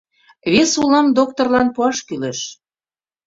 Вес улам докторлан пуаш кӱлеш.